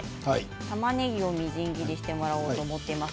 たまねぎをみじん切りにしてもらおうと思っています。